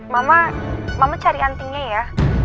mama mama cari antingnya ya